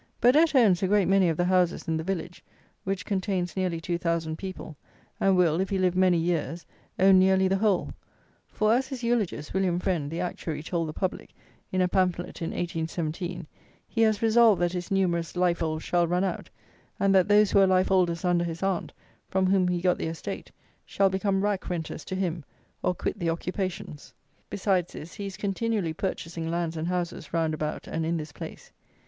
Burdett owns a great many of the houses in the village (which contains nearly two thousand people), and will, if he live many years, own nearly the whole; for, as his eulogist, William Friend, the Actuary, told the public, in a pamphlet, in 1817, he has resolved, that his numerous life holds shall run out, and that those who were life holders under his Aunt, from whom he got the estate, shall become rack renters to him, or quit the occupations. Besides this, he is continually purchasing lands and houses round about and in this place.